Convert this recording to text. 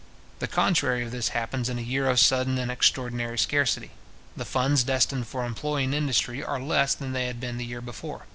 The contrary of this happens in a year of sudden and extraordinary scarcity. The funds destined for employing industry are less than they had been the year before.